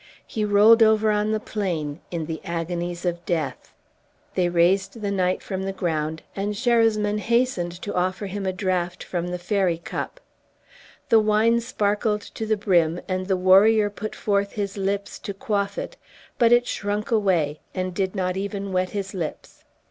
He rolled over on the plain in the agonies of death. They raised the knight from the ground, and Sherasmin hastened to offer him a draught from the fairy cup. The wine sparkled to the brim, and the warrior put forth his lips to quaff it, but it shrunk away, and did not even wet his lips.